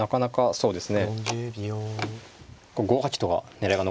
そうです